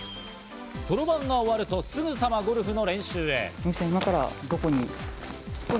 そろばんが終わるとすぐさまゴルフの練習へ。